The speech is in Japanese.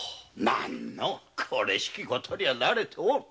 何のこれしきのことには慣れておる。